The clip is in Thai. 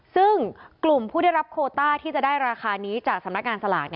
ซึ่งกลุ่มผู้ได้รับโคต้าที่จะได้ราคานี้จากสำนักงานสลาก